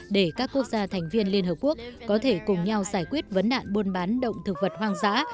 để các quốc gia thành viên liên hợp quốc có thể cùng nhau giải quyết vấn nạn buôn bán động thực vật hoang dã